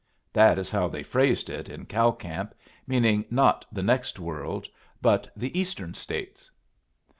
That is how they phrased it in cow camp, meaning not the next world, but the Eastern States.